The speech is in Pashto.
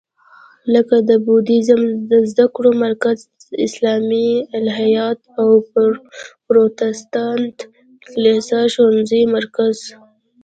لکه د بودیزم د زده کړو مرکز، اسلامي الهیات او پروتستانت کلیسا ښوونیز مرکز.